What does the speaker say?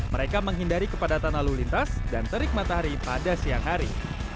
mereka menghindari kepadatan lalu lintas dan terik matahari pada siang hari